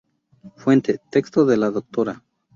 Fuente: Texto de la Dra.